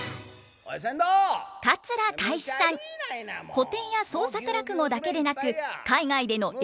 古典や創作落語だけでなく海外での英語公演も。